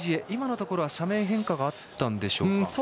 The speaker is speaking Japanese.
今のところは斜面変化があったんでしょうか。